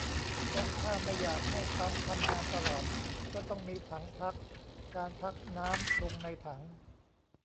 และถ้าไม่อยากให้ปั๊มทำงานตลอด ก็ต้องมีถังพัก การพักน้ำลงในถัง